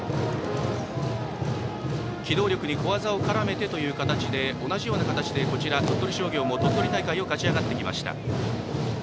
機動力に小技を絡めてという形同じような形で鳥取商業も鳥取大会を勝ち上がってきました。